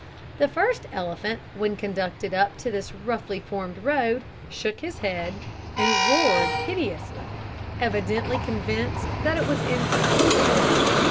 The first elephant, when conducted up to this roughly formed road, shook his head, and roared piteously, evidently convinced that it was insecure.